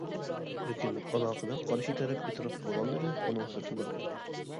لېكىن ئالاقىدار قارشى تەرەپ ئېتىراپ قىلغانلىرى بۇنىڭ سىرتىدا.